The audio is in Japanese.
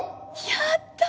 やった！